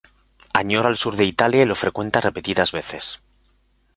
Añora el sur de Italia y lo frecuenta repetidas veces.